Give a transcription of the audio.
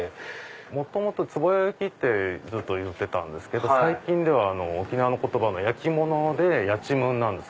元々壷屋焼ってずっと言ってたんですけど最近では沖縄の言葉の焼き物でやちむんなんです。